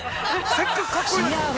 せっかくかっこいいのに。